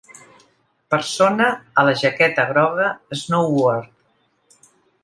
Persona a la jaqueta groga snowboard.